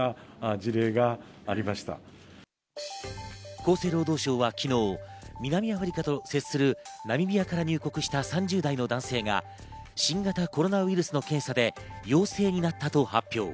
厚生労働省は昨日、南アフリカと接するナミビアから入国した３０代の男性が新型コロナウイルスの検査で陽性になったと発表。